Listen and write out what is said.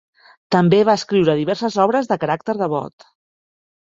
També va escriure diverses obres de caràcter devot.